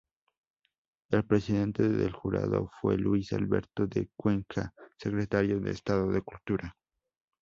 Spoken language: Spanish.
El presidente del jurado fue Luis Alberto de Cuenca, secretario de Estado de Cultura.